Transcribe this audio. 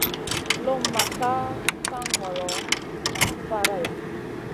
Lumʼma ka kan ŋolo, nan faraiya.